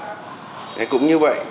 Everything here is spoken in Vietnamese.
thế cũng như vậy